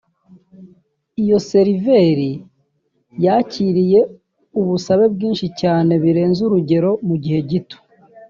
Iyo seriveri yakiriye ubusabe bwinshi cyane birenze urugero mu gihe gito